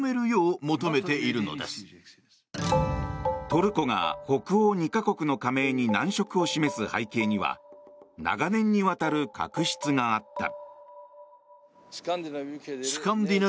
トルコが北欧２か国の加盟に難色を示す背景には長年にわたる確執があった。